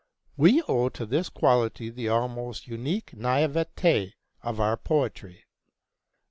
We owe to this quality the almost unique naïveté of our poetry.